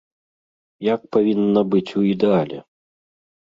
Як павінна быць у ідэале?